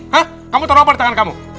hah kamu taruh apa di tangan kamu